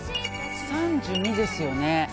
３２ですよね。